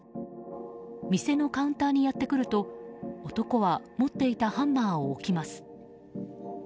店のカウンターにやってくると男は持っていたハンマーを置きます。